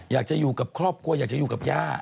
อยากจะอยู่กับครอบครัวอยากจะอยู่กับย่า